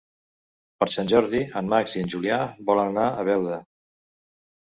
Per Sant Jordi en Max i na Júlia volen anar a Beuda.